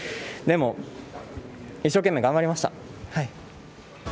でも、一生懸命頑張りました。